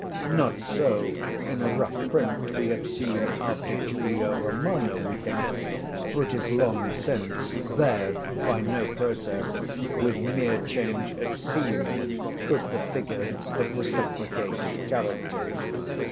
Not so in a rough print we have seen after Julio Romano, we think—for it is long since—there, by no process, with mere change of scene, could the figure have reciprocated characters.